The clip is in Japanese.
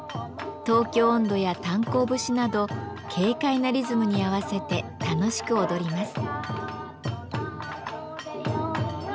「東京音頭」や「炭坑節」など軽快なリズムに合わせて楽しく踊ります。